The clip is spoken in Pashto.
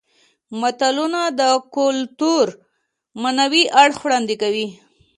متلونه د کولتور معنوي اړخ وړاندې کوي